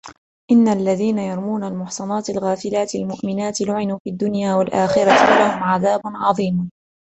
إِنَّ الَّذِينَ يَرْمُونَ الْمُحْصَنَاتِ الْغَافِلَاتِ الْمُؤْمِنَاتِ لُعِنُوا فِي الدُّنْيَا وَالْآخِرَةِ وَلَهُمْ عَذَابٌ عَظِيمٌ